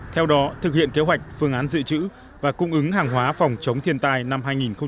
theo đó thực hiện kế hoạch phương án dự trữ và cung ứng hàng hóa phòng chống thiên tai năm hai nghìn hai mươi